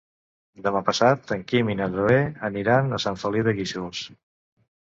Demà passat en Quim i na Zoè aniran a Sant Feliu de Guíxols.